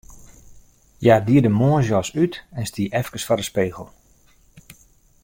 Hja die de moarnsjas út en stie efkes foar de spegel.